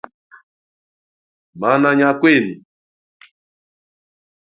Mana nyia kwenu.